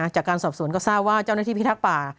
จากการสอบสวนก็ทราบว่าเจ้าหน้าที่พิทักษ์ป่า